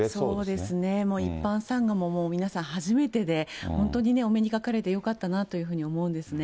そうですね、一般参賀ももう、皆さん初めてで、本当にお目にかかれてよかったなというふうに思うんですね。